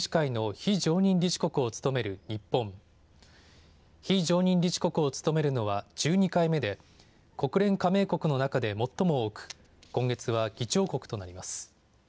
非常任理事国を務めるのは１２回目で、国連加盟国の中で最も多く、今月は議長国となります。